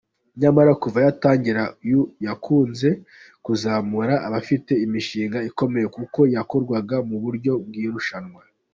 Nyamara kuva yatangira yakunze kuzamura abafite imishinga ikomeye kuko yakorwaga mu buryo bw’irushanwa.